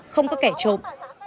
không có kẻ trộm